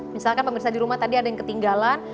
misalkan pemirsa di rumah tadi ada yang ketinggalan